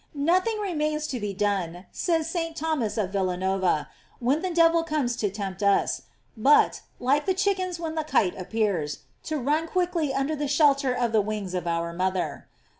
Nothing remains to be done, says St. Thomas of Villa nova, when the devil comes to tempt us, but, like the chickens when the kite appears, to run quick ly under the shelter of the wings of our mother.